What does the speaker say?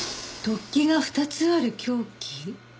突起が２つある凶器？